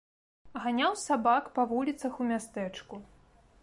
Ганяў сабак па вуліцах у мястэчку.